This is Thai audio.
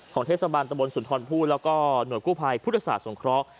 เทศบาลตะบนสุนทรผู้แล้วก็หน่วยกู้ภัยพุทธศาสตร์สงเคราะห์